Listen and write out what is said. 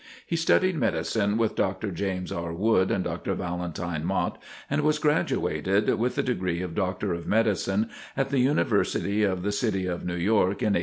He studied medicine with Dr. James R. Wood and Dr. Valentine Mott, and was graduated, with the degree of Doctor of Medicine, at the University of the City of New York, in 1847.